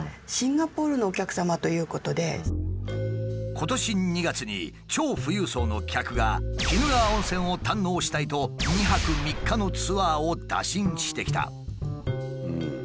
今年２月に超富裕層の客が鬼怒川温泉を堪能したいと２泊３日のツアーを打診してきた。